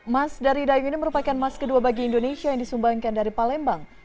emas dari dayung ini merupakan emas kedua bagi indonesia yang disumbangkan dari palembang